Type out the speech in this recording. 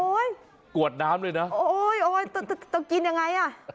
โอ้ยต้องกินยังไง